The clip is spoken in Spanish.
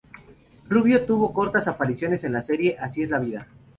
Rubio tuvo cortas apariciones en la serie "Así es la vida".